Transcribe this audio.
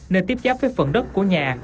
nên tiếp giáp với phần đất của nhà